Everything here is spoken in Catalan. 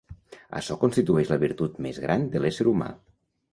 Açò constitueix la virtut més gran de l'ésser humà.